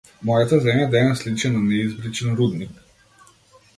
Мојата земја денес личи на неизбричен рудник.